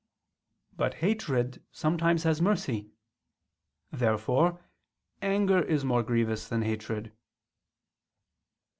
But hatred sometimes has mercy. Therefore anger is more grievous than hatred.